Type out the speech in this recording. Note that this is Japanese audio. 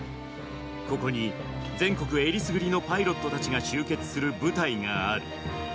ここに全国えりすぐりのパイロットたちが集結する部隊がある。